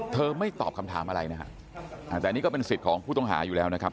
ไม่ตอบคำถามอะไรนะฮะแต่อันนี้ก็เป็นสิทธิ์ของผู้ต้องหาอยู่แล้วนะครับ